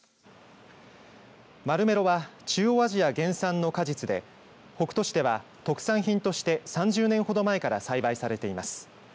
マルメロは中央アジア原産の果実で北斗市では特産品として３０年ほど前から栽培されています。